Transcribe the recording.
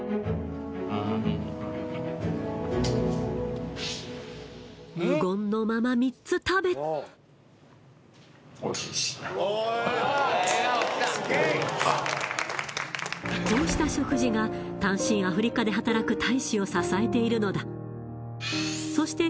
うん無言のまま３つ食べこうした食事が単身アフリカで働く大使を支えているのだそして